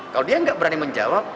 kalau dia nggak berani menjawab